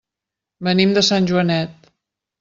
Venim de Sant Joanet.